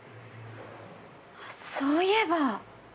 あっそういえば。